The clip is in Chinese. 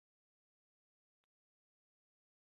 身上的伤传来阵阵剧痛